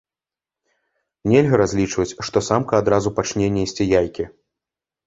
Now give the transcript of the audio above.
Нельга разлічваць, што самка адразу пачне несці яйкі.